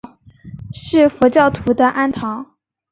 是佛教徒的庵堂。